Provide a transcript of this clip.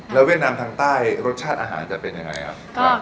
แล้วเวียดนามทางใต้รสชาติอาหารจะเป็นยังไงครับ